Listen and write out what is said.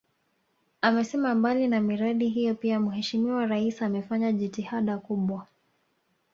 Amesema mbali na miradi hiyo pia Mheshimiwa Rais amefanya jitihada kubwa